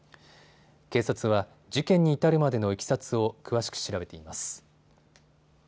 警察は事件に至るまでのいきさつを詳しく調べています。